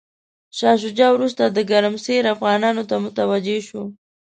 شاه شجاع وروسته د ګرمسیر افغانانو ته متوجه شو.